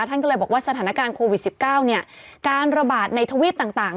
ท่านก็เลยบอกว่าสถานการณ์โควิด๑๙เนี่ยการระบาดในทวีปต่าง